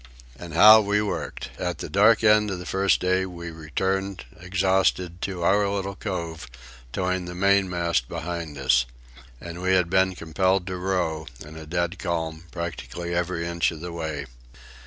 And how we worked! At the dark end of the first day we returned, exhausted, to our little cove, towing the mainmast behind us. And we had been compelled to row, in a dead calm, practically every inch of the way.